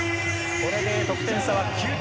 これで得点差は９点。